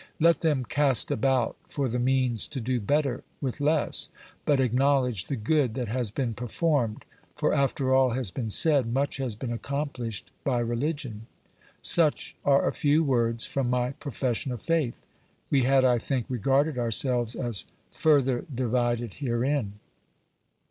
Let them cast about for the means to do better with less, but acknowledge the good that has been performed; for, after all has been said, much has been accomplished by religion. Such are a few words from my profession 220 OBERMANN of faith ; we had, I think, regarded ourselves as further divided herein.